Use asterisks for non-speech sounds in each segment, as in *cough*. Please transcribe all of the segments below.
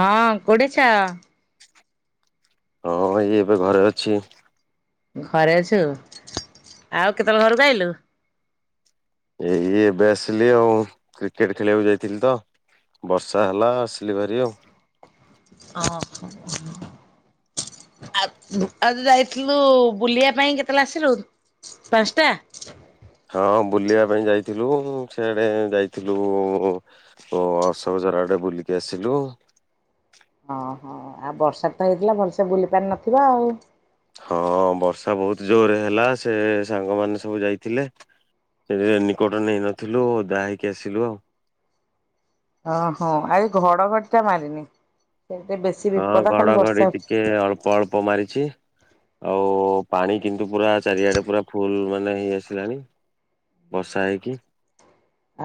ହଁ କୋଉଠି ଅଛ? ହଁ ଭାଇ ଏବେ ଘରେ ଅଛି। ଘରେ ଅଛୁ ଆଉ କେତେବେଳେ ଘରକୁ ଆଇଲୁ? ଏଇ ଏବେ ଆସିଲି ଆଉ କ୍ରିକେଟ ଖେଳିବାକୁ ଯାଇଥିଲି ତ। ବର୍ଷା ହେଲା ଆସିଲି ଭାରି ଆଉ। ଓହୋ। ଆ ଆଜି ଯାଇଥିଲୁ ବୁଲିବା ପାଇଁ କେତେବେଳେ ଆସିଲୁ ପାଞ୍ଚଟା? ହଁ ବୁଲିବା ପାଇଁ ଯାଇଥିଲୁ ସେଆଡେ ଯାଇଥିଲୁ ଓ ଅଶୋକଝର ଆଡ଼େ ବୁଲିକି ଆସିଲୁ। ହଁ ହଁ ଆଉ ବର୍ଷା ତ ହେଇଥିଲା ଭଲସେ ବୁଲି ପାରିନଥିବ ଆଉ ହଁ ବର୍ଷା ବହୁତ ଜୋରରେ ହେଲା ସେ ସାଙ୍ଗମାନେ ସବୁ ଯାଇଥିଲେ। ରେନିକୋଟ ନେଇନଥିଲୁ ଆଉ ଓଦା ହେଇକି ଆସିଲୁ ଆଉ। ଓହୋ ଆଜି ଘଡଘଡି ଟା ମାରିନି ସେଟା ବେଶୀ ହଁ ବିପଦ ଖାଲି ଘଡଘଡି ବର୍ଷା ଟିକେ ହେଛି। ଅଳ୍ପ ଅଳ୍ପ ମାରିଛି। ଆଉ ପାଣି କିନ୍ତୁ ପୁରା ଚାରିଆଡେ ପୁରା ଫୁଲ ମାନେ ହେଇ ଆସିଲାଣି। ବର୍ଷା ହେଇକି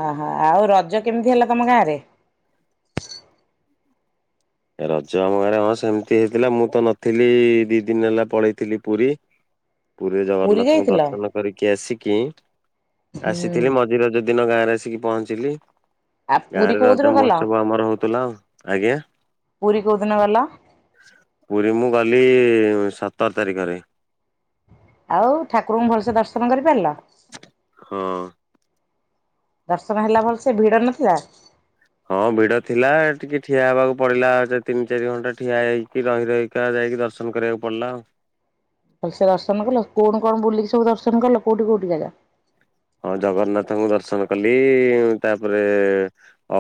ଆହା ଉ ରଜ କେମିତି ହେଲା ତମ ଗାଁ ରେ? ଏ ରଜ ଆମ ଘରେ ହଁ ସେମିତି ହେଇଥିଲା ମୁଁ ତ ନଥିଲି ଦି ଦିନ ହେଲା ପଳେଇଥିଲି ପୁରୀ। ହ *inaudible* ପୁରୀରେ ଜଗନ୍ନାଥଙ୍କୁ ଦର୍ଶନ କରିକି ଆସିକି ହୁଁ ଆସିଥିଲି ମଝି ରଜ ଦିନ ଗାଁରେ ଆସିକି ପହଞ୍ଚିଲି। ଆଉ ଗାଁ ପୁରୀ ରେ କୋଉଦିନ ରଜ ଗଲ? ମହୋତ୍ସବ ଆମର ହଉଥିଲା ଆଉ ଆଜ୍ଞା। ପୁରୀ କଉଦିନ ଗଲ? ପୁରୀ ମୁଁ ଗଲି ସତର ତାରିଖରେ। ଆଉ ଠାକୁରଙ୍କୁ ଭଲସେ ଦର୍ଶନ କରିପାରିଲ? ହଁ। ଦର୍ଶନ ହେଲା ଭଲ ସେ ଭିଡ ନଥିଲା? ହଁ ଭିଡ ଥିଲା ଟିକେ ଠିଆ ହେବାକୁ ପଡିଲା ତିନି ଚାରି ଘଣ୍ଟା ଠିଆ ହେଇକି ରହି ରହିକି ଯାଇକି ଦର୍ଶନ କରିବାକୁ ପଡ଼ିଲା ଆଉ। ଭଲସେ ସେ ଦର୍ଶନ କଲ କଣ କଣ ବୁଲିକି ସବୁ ଦର୍ଶନ କୋଉି କୋଉଠି ଜାଗା? ହଁ ଜଗନ୍ନାଥଙ୍କୁ ଦର୍ଶନ କଲି ତାପରେ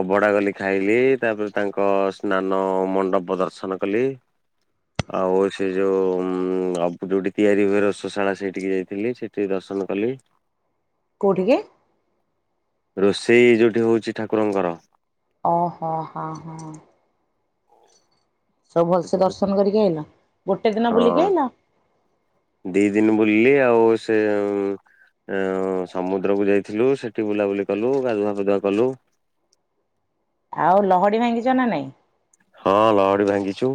ଅଭଢ଼ା ଗଲି ଖାଇଲି ତାପରେ ତାଙ୍କ ସ୍ନାନ ମଣ୍ଡପ ଦର୍ଶନ କଲି। ଆଉ ସେ ଯୋଉ ଉ ଯୋଉଠି ତିଆରି ହୁଏ ରସଶାଳା ସେଇଠିକେ ଯାଇଥିଲି ସେଠୀ ସେଠି ଦର୍ଶନ କଲି। କୋଉଠି କି? ରୋଷେଇ ଜୋଉଠି ହେଉଛି ଠାକୁରଙ୍କର। ଓହୋ ହଁ ହଁ। ସବୁ ଭଲସେ ସେପଟେ ଦର୍ଶନ କରିକି ଆଇଲ ଗୋଟେ ଦିନ ହଁ ବୁଲିକି ଆଇଲ। ଦି ଦିନ ବୁଲଲିି ଆଉ ସେ ଅ ସମୁଦ୍ରକୁୁ ଯାଇଥିଲୁ ସେଠି ବୁଲାବୁଲି କଲୁ ଗାଧୁଆ ଫାଧୁଆ କଲୁ। ଆଉ ଲହଡି ଭାଙ୍ଗିଛ ନା ନାଇଁ? ହଁ ଲହଡ଼ି ଭାଙ୍ଗିଛୁ।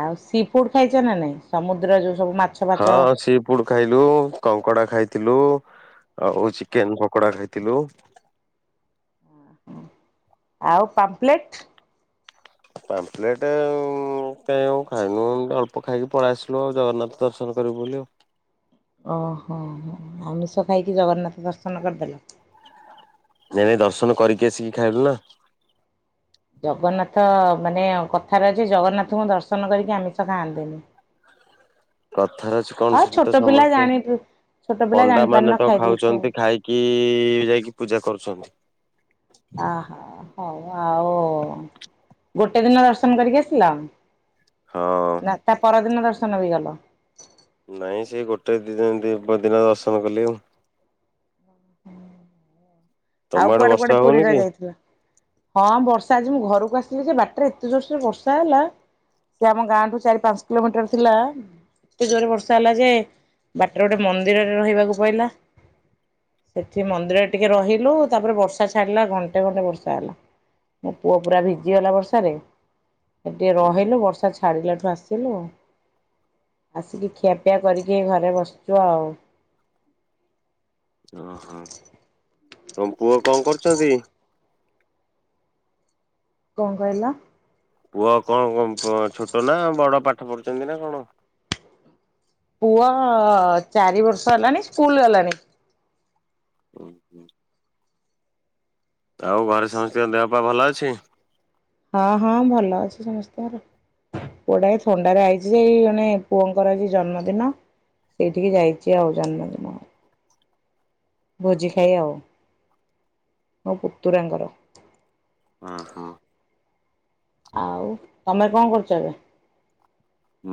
ଆଉ ସି ଫୁଡ ଖାଇଛ ନା ନାଇଁ ସମୁଦ୍ର ଯୋଉ ସବୁ ମାଛ? ଫାଛ ହଁ ସି ପୁଡ ଖାଇଲୁ କଙ୍କଡା ଖାଇଥିଲୁ ଆଉ ଚିକେନ ପକୋଡା ଖାଇଥିଲୁ। ଆଉ ପାମ୍ପ୍ଲେଟ? ପାମ୍ପ୍ଲେଟ୍ କାଇଁ ଆଉ ଖାଇନୁ ଅଳ୍ପ ଖାଇକି ପଳେଇ ଆସିଲୁ ଆଉ ଜଗନ୍ନାଥ ଦର୍ଶନ କରିବୁ ବୋଲି ଆଉ। ଓହୋ ହୋ ଆମିଷ ଖାଇକି ଜଗନ୍ନାଥ ଦର୍ଶନ କରିଦେଲ। ନାଇଁ ନାଇଁ ଦର୍ଶନ କରିକି ଆସିକି ଖାଇଲୁ ନା। ଜଗନ୍ନାଥ ମାନେ କଥାରେ ଅଛି ଜଗନ୍ନାଥଙ୍କୁ ଦର୍ଶନ କରିକି ଆମିଷ ଖଆନ୍ତିନି। କଥାରେ ଅଛି କଣ ସେଠି ଛୋଟ ତ ପିଲା ସମସ୍ତେ ଜାଣି ଛୋଟ ପିଲା ପଣ୍ଡା ଜାଣିପାରୁନ ମାନେ ତ ଖାଇଦେଇଛ ଆଉ। ଖାଉଛନ୍ତି ଖାଇକି କି ଯାଇକି ପୂଜା କରୁଛନ୍ତି। ଅହୋ ହଉ ଆଉ ଗୋଟେ ଦିନ ଦର୍ଶନ କରିକି ଆସିଲ? ହଁ। ନା ତା ପରଦିନ ଦର୍ଶନ ବି କଲ। ନାଇଁ ସେ ଗୋଟେ ଦିନ ଦିନ ଦର୍ଶନ କଲି ଆଉ। ତମ ଆଉ ଆଡେ କୁଆଡେ ବର୍ଷା କୁଆଡେ ହଉନି ପୁରୀରେ କି? ଯାଇଥିଲ? ହଁ ବର୍ଷା ଆଜି ମୁଁ ଘରକୁ ଆସିଲି ସେ ବାଟରେ ଏତେ ଜୋରସରେ ବର୍ଷା ହେଲା। ସେ ଆମ ଗାଁ ଠୁ ଚାରି ପାଞ୍ଚ କିଲୋମିଟର ଥିଲା ଏତେ ଜୋରରେ ବର୍ଷା ହେଲା ଯେ ବାଟରେ ଗୋଟେ ମନ୍ଦିରରେ ରହିବାକୁ ପଇଲା। ସେଠି ମନ୍ଦିର ଟିକେ ରହିଲୁ ତାପରେ ବର୍ଷା ଛାଡିଲା ଘଣ୍ଟେ ଖଣ୍ଡେ ବର୍ଷା ହେଲା। ମୋ ପୁଅ ପୁରା ଭିଜିଗଲା ବର୍ଷାରେ। ସେଠି ଟିକେ ରହିଲୁ ବର୍ଷା ଛାଡ଼ିଲାଠୁ ଆସିଲୁ। ଆସିକି ଖିଆପିଆ କରିକି ଘରେ ବସିଛୁ ଆଉ। ଓହୋ ତମ ପୁଅ କଣ କରୁଛନ୍ତି? କଣ କହିଲ? ପୁଅ କଣ ଛୋଟ ନା ବଡ ପାଠ ପଢୁଛନ୍ତି ନା କଣ? ପୁଅ ଚାରି ବର୍ଷ ହେଲାଣି ସ୍କୁଲ ଗଲାଣି। ଉଁ ହିଁ। ଆଉ ଘରେ ସମସ୍ତଙ୍କ ଦେହପା ଭଲ ଅଛି? ହଁ ହଁ ଭଲ ଅଛି ସମସ୍ତଙ୍କର। ପୁଅ ଟା ଏ ଥଣ୍ଡାରେ ଆଇଛି ଯେଇ ଜଣେ ପୁଅଙ୍କର ଏ ଜନ୍ମଦିନ। ଏଇଠିକି ଯାଇଛି ଆଉ ଜନ୍ମଦିନ। ଭୋଜି ଖାଇ ଆଉ ମୋ ପୁତୁରାଙ୍କର। ଅଁ ହ। ଆଉ ତମେ କଣ କରୁଛ ଏବେ?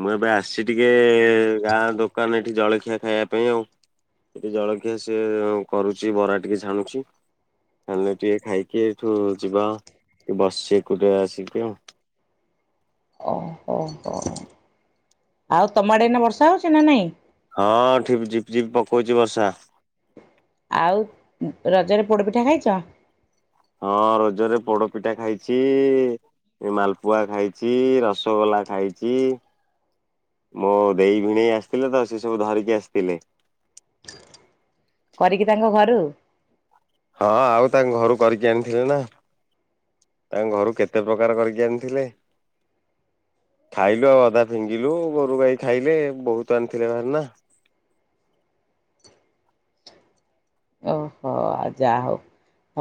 ମୁଁ ଏବେ ଆସି ଟିକେ ଗାଁ ଦୋକାନ ଏଠି ଜଳଖିଆ ଖାଇବା ପାଇଁ ଆଉ। ଟିକେ ଜଳଖିଆ ସିଏ କରୁଛି ବରା ଟିକେ ଛାଣୁଛି। ହେଲେ ଟିକେ ଖାଇକି ଏଇଠୁ ଯିବା, ଟିକେ ବସଛି ଏକୁଟିଆ ଆସିକି ଆଉ। ଆଉ ତମଆଡ଼େ ଏନା ବର୍ଷା ହେଉଛି ନା ନାଇଁ? ହଁ ଠିପ ଝିପି ଝିପି ପକଉଛି ବର୍ଷା। ଆଉ ରଜରେ ପୋଡ଼ପିଠା ଖାଇଛ? ହଁ ରଜରେ ପୋଡପିଠା ଖାଇଛି ଏ ମାଲପୁଆ ଖାଇଛି, ରସଗୋଲା ଖାଇଛି। ମୋ ଦେଇ ଭିଣେଇ ଆସିଥିଲେ ତ, ସେ ସବୁ ଧରିକି ଆସିଥିଲେ। କରିକି ତାଙ୍କ ଘରୁ? ହଁ ଆଉ ତାଙ୍କ ଘରୁ କରିକି ଆଣିଥିଲେ ନା। ତାଙ୍କ ଘରୁ କେତେ ପ୍ରକାର କରିକି ଆଣିଥିଲେ। ଖାଇଲୁ ଆଉ ଅଧା ଫିଙ୍ଗିଲୁ, ଗୋରୁ ଗାଈ ଖାଇଲେ, ବହୁତ ଆଣିଥିଲେ ଭାରି ନା। ଓହୋ ଆଉ ଯାହା ହଉ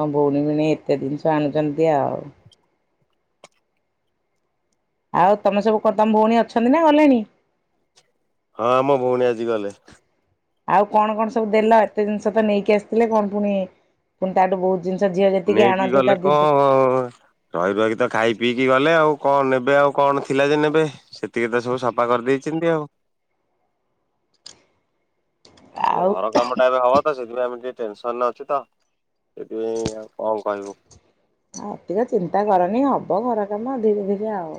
ହଁ ଭଉଣୀ ଭେଣେଇ ଏତେ ଜିନିଷ ଆଣୁଛନ୍ତି ଆ ଆଉ। ଆଉ ତମେ ସବୁ ତମ ଭଉଣୀ ଅଛନ୍ତି ନା ଗଲେଣି? ହଁ ଆମ ଭଉଣୀ ଆଜି ଗଲେ। ଆଉ କଣ କଣ ସବୁ ଦେଲ? ଏତେ ଜିନିଷ ତ ନେଇକି ଆସିଥିଲେ କଣ ପୁଣି ପୁଣି ତାଠୁ ବହୁତ ଜିନିଷ ଝିଅ ଯେତିକି ନେଇକି ଆଣନ୍ତି ତା ଗଲେ ଦି କଣ ଅ ରହି ରହି କି ତ ଖାଇ ପିଇକି ଗଲେ ଆଉ କଣ ନେବେ ଆଉ କଣ ଥିଲା ଯେ ନେବେ। ସେତିକି ତ ସବୁ ସଫା କରିଦେଇଛନ୍ତି ଆଉ। ତ ଆଉ ଘରକାମଟା ଏବେ ହବ ସେଥିପାଇଁ ଆମେ ଟିକେ ଟେନସନ ଅଛି ତ ସେଥିପାଇଁ ଆଉ କଣ କହିବୁ? ଆଉ ଟିକେ ଚିନ୍ତା କରନି ହବ ଘର କାମ ଧୀରେ ଧୀରେ ଆଉ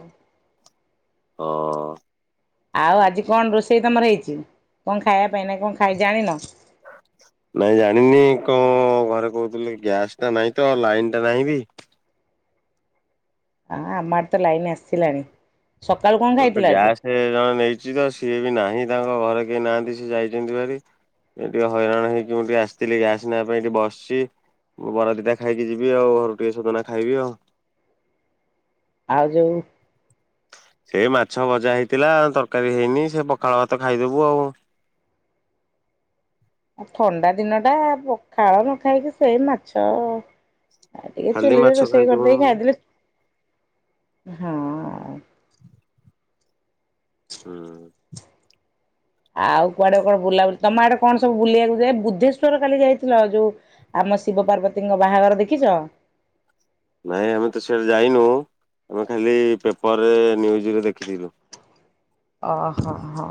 ହଁ ଅଁ ଆଉ ଆଜି କଣ ରୋଷେଇ ତମର ହେଇଛି, କଣ ଖାଇବା ପାଇଁ ନା କଣ ଖାଇ ଜାଣିନ? ନାଇଁ ଜାଣିନି କଣ ଘରେ କହୁଥିଲେ ଗ୍ୟାସ ଟା ନାଇଁ ତ ଲାଇନ ଟା ନାହିଁ ବି? ହଁ ଆମ ତ ଲାଇନ ଆସିିଲାଣି। ସକାଳୁ କଣ? ଗୋଟେ ଗ୍ୟାସ ଜଣେ ନେଇଛି ତ ସିଏ ବି ନାହିଁ ତାଙ୍କ ଘରେ କେହି ନାହାନ୍ତି ସିଏ ଯାଇଛନ୍ତି ଭାରି। ଏ ଟିକେ ହଇରାଣ ହେଇକି ମୁଁ ଟିକେ ଆସିଥିଲି ଗ୍ୟାସ ନବା ପାଇଁ ଏଇଠି ବସିଛି। ମୁ ବରାଦିଟା ଖାଇକି ଯିବି ଆଉ ଘରୁ ଟିକେ ଶୋଦନା ଖାଇବି ଆଉ। ଆଉ ଯଉ ସେ ମାଛ ଭଜା ହେଇଥିଲା ତରକାରୀ ହେଇନି ସେ ପଖାଳ ଭାତ ଖାଇଦବୁ ଆଉ ଆଉ ଥଣ୍ଡା ଦିନଟା ପଖାଳ ନ ଖାଇକି ସେଇ ମାଛ ଆଉ ଟିକେ ଖାଲି ଚୁଲିରେ ମାଛ ରୋଷେଇ ଖାଇଦବୁ କରିଦେଇକି ନହେଲେ ଖାଇଦେଲେ ହଁ ହୁଁ ଉ ଆଉ କୁଆଡେ କଣ ବୁଲାବୁଲି ତମ ଆଡେ କଣ ସବୁ ବୁଲିବାକୁ ଯା ବୁଦ୍ଧେଶ୍ୱର୍ କାଲି ଯାଇଥିଲ ଯୋଉ ଆମ ଶିବ ପାର୍ବତୀଙ୍କ ବାହାଘର ଦେଖିଛ? ନାଇ ଆମେ ତ ସିଆଡେ ଯାଇନୁ ଆମେ ଖାଲି ପେପରରେ ନ୍ୟୁଜରେ ଦେଖିଥିଲୁ। ଅ ହ ହଁ।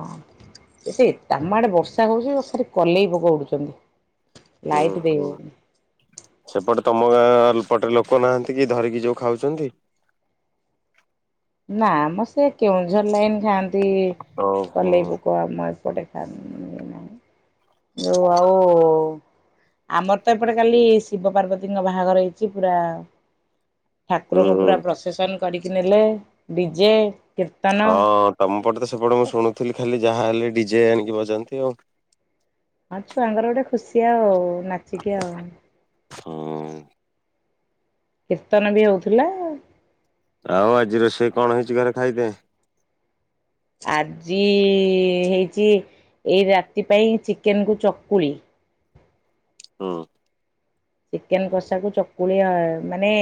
ଏ ସେ ତାମ ଆଡ଼େ ବର୍ଷା ହେଉଛି ଖାଲି କଲେଇ ପୋକ ଉଡ଼ୁଛନ୍ତି ଲାଇଟ୍ ଓହୋ ଦେଇହଉନି। ସେପଟେ ତୁମ ଗାଁ ପଟେ ଲୋକ ନାହାନ୍ତି କି ଧରିକି ଯୋଉ ଖାଉଛନ୍ତି। ନା ମ ସେ କେଉଁଝର ଲାଇନ ଖାଆନ୍ତି ଓହୋ କଲେଇପୋ। କ ମ ଏପ ଦେଖା ନାହିଁ ଯଉ ଆଉ ଆମର ତ ଏପଟେ କାଲି ଶିବ ପାର୍ବତୀଙ୍କ ବାହାଘର ହେଇଛି ପୁରା ହୁଁ ଠାକୁରଙ୍କୁ ହୁଁ ପୁରା ପ୍ରସେସନ କରିକି ନେଲେ ଡିଜେ କୀର୍ତ୍ତନ ହଁ ତମ ପଟେ ତ ସେପଟେ ମୁଁ ଶୁଣୁଥିଲି ଖାଲି ଯାହା ହେଲେ ଡିଜେ ଆଣିକି ବଜାନ୍ତି ଆଉ ହଁ ଛୁଆଙ୍କର ଗୋଟେ ଖୁସି ଆଉ ନାଚିକି ଆଉ ହୁଁ। କୀର୍ତ୍ତନ ବି ହଉଥିଲା। ଆଉ ଆଜି ରୋଷେଇ କଣ ହେଇଛି ଘରେ ଖାଇଦେ। ଆଜି ହେଇଛି ଏଇ ରାତି ପାଇଁ ଚିକେନକୁ ଚକୁଳି। ହୁଁ। ଚିକେନ କଷାକୁ ଚକୁଳିଆ ମାନେ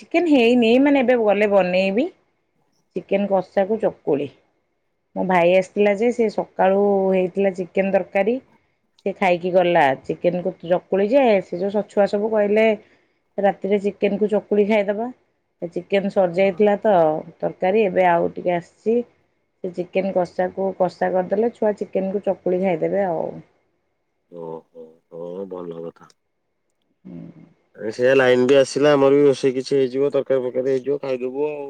ଚିକେନ ହେଇନି ମାନେ ଏବେ ଗଲେ ବନେଇବି। ଚିକେନ୍ କଷାକୁ ଚକୁଳି। ମୋ ଭାଇ ଆସିଥିଲା ଯେ ସେ ସକାଳୁ ହେଇଥିଲା ଚିକେନ ତରକାରୀ। ସେ ଖାଇକି ଗଲା ଚିକେନ କ ଚକୁଳି ଯେ ସେ ଯୋଉ ସଛଛୁଆ ସବୁ କହିଲେ ରାତିରେ ଚିକେନ କୁ ଚକୁଳି ଖାଇଦବା। ଚିକେନ ସରିଯାଇଥିଲା ତ ତରକାରୀ ଏବେ ଆଉ ଟିକେ ଆସିଛି। ସେ ଚିକେନ୍ କଷାକୁ କଷା କରିଦେଲେ ଛୁଆ ଚିକେନକୁ ଚକୁଳି ଖାଇଦେବେ ଆଉ। ଓହୋ। ହ ଭଲ କଥା। ହୁଁ। ସେଇଆ ଲାଇନ ବି ଆସିଲା ଆମର ବି ବୋଷେଇ କିଛି ହେଇଯିବ ତରକାରୀ ଫରକାରୀ ହେଇଯିବ ଖାଇଦବ ଆଉ।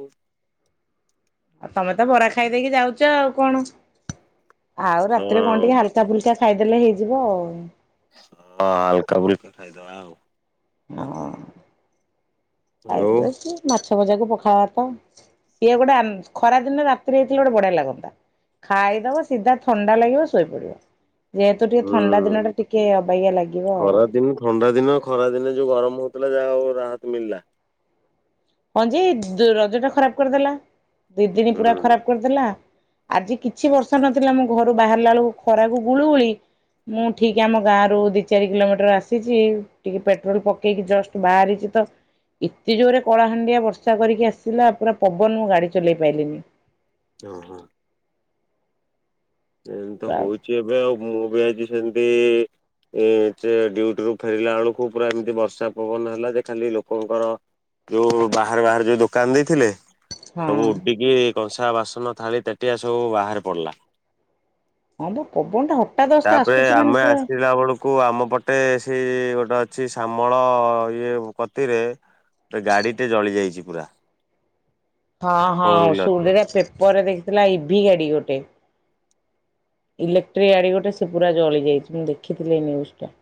ଆଉ ତମେ ତ ବରା ଖାଇ ଦେଇକି ଯାଉଛ ଆଉ କଣ ଆଉ ହଁ ରାତିରେ କଣ ଟିକେ ହଁ ହାଲକା କା ଫୁଲିକା ଖାଇଦେଲେ ହେଇଯିବ ଆଉ। ହଁ ହାଲକା ବୁଲକା ଖାଇଦବା ଆଉ। ହଁ ଆଉ ଖାଇଦେଲେ ମାଛ ଭଜାକୁ ପଖାଳ ଭାତ। ସିଏ ଗୋଟେ ଖରା ଦିନେ ରାତିରେ ହେଇଥିଲେ ଗୋଟେ ବଢିଆ ଲାଗନ୍ତା। ଖାଇଦବ ସିଧା ଥଣ୍ଡା ଲାଗିବ ଶୋଇପଡିବ। ଯେହେତୁ ଟିକେ ଥଣ୍ଡା ହୁଁ। ଦିନ ଟା ଟିକେ ଅବାଗିୟା ଲାଗିବ ଆଉ। ଖରା ଦିନ ଥଣ୍ଡା ଦିନ ଖରା ଦିନେ ଯୋଉ ଗରମ ହଉଥିଲା ଯାହା ଆଉ ରାହତ ମିଳିଲା। ହଁ ଯେ ରଜ ଟା ଖରାପ କରିଦେଲା ଦି ଦିନ ପୁରା ହୁଁ ଖରାପ କରିଦେଲା। ଆଜି କିଛି ବର୍ଷ ନଥିଲା ମୁଁ ଘରୁ ବାହାରିଲା ବେଳକୁ ଖରାକୁ ଗୁଳୁ ଗୁଳି ମୁଁ ଠିକ ଆମ ଗାଁ ରୁ ଦି ଚାରି କିଲୋମିଟର ଆସିଛି ଟିକେ ପେଟ୍ରୋଲ ପକେଇକି ଜଷ୍ଟ ବାହାରିଛି ତ ଏତେ ଜୋରେ କଳାହାଣ୍ଡିଆ ବର୍ଷା କରିକି ଆସିଲା ପୁରା ପବନ ମୁଁ ଗାଡ଼ି ଚଲେଇ ପାରଲିିନି। ଓ ହଁ। ଏମ ତ ପୁରା ହଉଛି ଏବେ ଆଉ ମୁଁ ବି ଆଜି ସେମତି ଏ ସେ ଡୁଟି ରୁ ଫେରିଲା ବେଳକୁ ପୁରା ଏମିତି ବର୍ଷା ପବନ ହେଲା ଯେ ଖାଲି ଲୋକଙ୍କର ଯୋଉଁ ବାହାରେ ବାହାରେ ଯଉ ଦୋକାନ ଦେଇଥିଲେ ସବୁ ହଁ ଉଡିକି କଂସା ବାସନ ଥାଳି ତେଟିଆ ସବୁ ବାହାରେ ପଡିଲା। ହଁ ମୋ ପବନ ଟା ହଠଟା ଦଶଟା ଆସୁଛି ମାନେ ପୁରା କୁ ଆମ ପଟେ ସେଇ ଗୋଟେ ଅଛି ଶାମଳ ଇଏ କତିରେ ଏ ଗାଡିଟେ ଜଳି ଯାଇଛି ପୁରା। ହଁ ଫୋର ହଁ ହ୍ୱିଲର ଟେ ସୁଟ ପେପରରେ ଦେଖିଥିଲା ଇଭି ଗାଡି ଗୋଟେ। ଇଲେକ୍ଟ୍ରି ଗାଡ଼ି ଗୋଟେ ସେ ପୁରା ଜଳିଯାଇଛି ମୁଁ ଦେଖିଇ ନ୍ୟୁଜ୍ ଟା।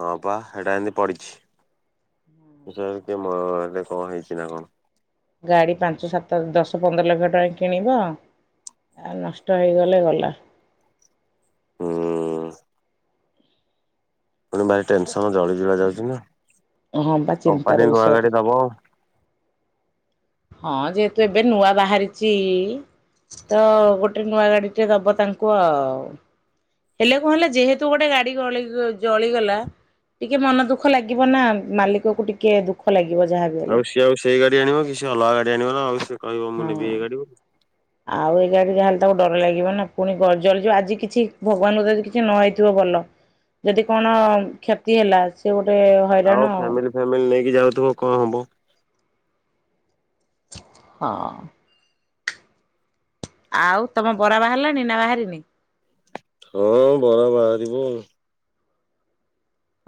ହଁ ପା ସେଇଟା ଏମିତି ପଡ଼ିଛି। ବିଷୟରେ କିଏ ମୋ ଏରେ କଣ ହେଇଛି ନା କଣ। ଗାଡି ପାଞ୍ଚ ସାତ ଦଶ ପନ୍ଦର ଲକ୍ଷ ଟଙ୍କା କିଣିବ। ଆଉ ନଷ୍ଟ ହେଇଗଲେ ଗଲା। ହଁ। ପୁଣି ଭାରି ଟେନସନ ଜଳଳା ଯାଉଛି ନା ହଁ ବା ଚିନ୍ତାର କମ୍ପାନୀ ବିଷୟ ନୂଆ ତ ଗାଡି ଦବ ଆଉ। ହଁ ଯେହେତୁ ଏବେ ନୂଆ ବାହାରିଛି ତ ଗୋଟେ ନୂଆ ଗାଡି ଟେ ଦବ ତାଙ୍କୁ ଆଉ। ହେଲେ କୁଣ ହେଲା ଯେହେତୁ ଗୋଟେ ଗାଡି ଜଳିଗଲା ଟିକେ ମନ ଦୁଃଖ ଲାଗିବ ନା, ମାଲିକକୁ ଟିକେ ଦୁଃଖ ଲାଗିବ ଯାହାବି ହେଲେ। ଆଉ ସିଏ ଆଉ ସେଇ ଗାଡି ଆଣିବ କି, ସିଏ ଅଲଗା ଗାଡି ଆଣିବ ନା ଆଉ ସିଏ କହିବ ମୁଁ ହଁ। ନେବି ଏଇ ଗାଡିି ବୋଲି। ଆଉ ଏ ଗାଡ଼ିରେ ଯାହାହେଲେ ତାକୁ ଡର ଲାଗିବ ନା ପୁଣି ଗଜଲ୍ ଯୋଉ ଆଜି କିଛି ଭଗବାନଙ୍କ ଦୟାରୁ ଯଦି କିଛି ନ ହେଇଥିବ ଭଲ। ଯଦି କଣ କ୍ଷତି ହେଲା, ସେ ଗୋଟେ ଆଉ ଫ୍ୟାମିଲି ଫ୍ୟାମିଲି ନେଇକି ଯାଉଥିବ, କଣ ହବ ହଁ। ଆଉ ତମ ବରା ବାହାରିଲାଣି ନା ବାହାରିନି? ହଁ ବରା ବାହାରିବ ଆଉ।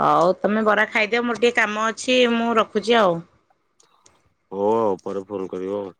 ହଉ ତମେ ବରା ଖାଇଦିଅ, ମୋର ଟିକେ କାମ ଅଛି, ମୁଁ ରଖୁଛି ଆଉ। ହଉ ଆଉ ପରେ ଫୋନ୍ କରିବ ଆଉ।